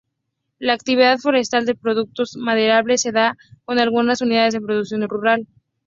La actividad forestal de productos maderables se da con algunas unidades de producción rural.